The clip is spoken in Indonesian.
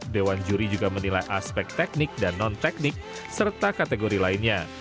dewan juri juga menilai aspek teknik dan non teknik serta kategori lainnya